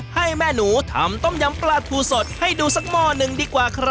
ให้แม่หนูทำต้มยำปลาทูสดให้ดูสักหม้อหนึ่งดีกว่าครับ